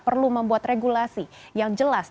perlu membuat regulasi yang jelas